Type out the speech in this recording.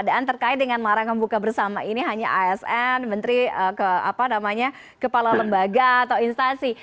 karena kekuasaan terkait dengan marang membuka bersama ini hanya asn menteri kepala lembaga atau instansi